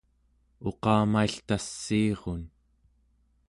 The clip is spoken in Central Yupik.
uqamailtassiirun